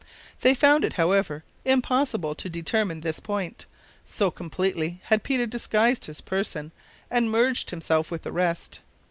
They found it, however, impossible to determine this point, so completely had Peter disguised his person, and merged himself with the rest.